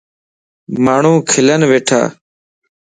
ماڻهون کلن ٻيٺا.